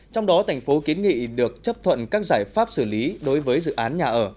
trong đó tp hcm được chấp thuận các giải pháp xử lý đối với dự án nhà ở